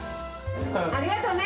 おー、ありがとう。